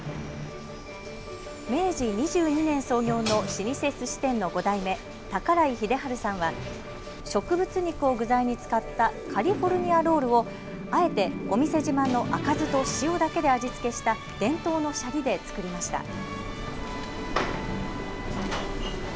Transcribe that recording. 明治２２年創業の老舗すし店の５代目、寳井英晴さんは植物肉を具材に使ったカリフォルニアロールをあえてお店自慢の赤酢と塩だけで味付けした伝統のしゃりで作りました。